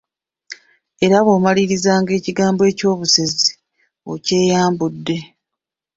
Era bw’omaliriza ng’ekitambo ky’obusezi okyeyambudde.